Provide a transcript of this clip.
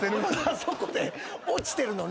あそこで落ちてるのに。